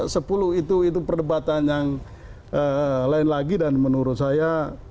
sepuluh itu perdebatan yang lain lagi dan menurut saya